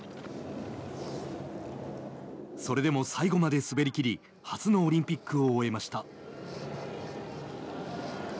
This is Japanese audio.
それでも最後まで滑りきり初のオリンピックを終えました。